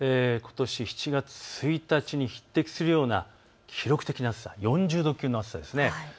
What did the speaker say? ７月１日に匹敵するような記録的な暑さ、４０度級の暑さです。